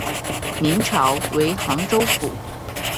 明朝为杭州府。